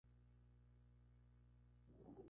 Louis Browns.